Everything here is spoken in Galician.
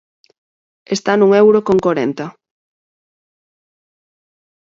Está nun euro con corenta.